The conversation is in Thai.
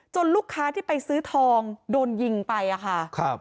ลูกค้าที่ไปซื้อทองโดนยิงไปอะค่ะ